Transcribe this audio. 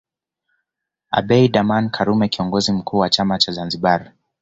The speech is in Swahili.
Abeid Aman Karume Kiongozi mkuu wa chama cha Zanzibar